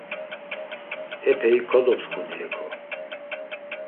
Epeyi kodopsǩudi heko.